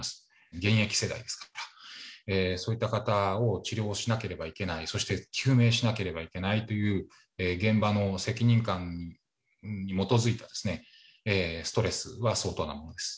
現役世代ですから、そういった方を治療しなければいけない、そして救命しなければいけないという、現場の責任感に基いたストレスは相当なものです。